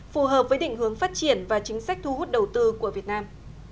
phù hợp với định hướng phát triển và chính sách thu hút đầu tư của việt nam